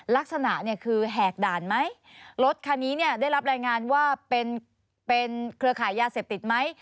ลักษณะเนี่ยคือแหกด่านไหมรถคันนี้เนี่ยได้รับรายงานว่าเป็นเครือขายยาเสพติดไหม